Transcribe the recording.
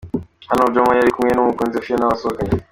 Hano Jomo yari kumwe n'umukunzi we Fiona basohokanye.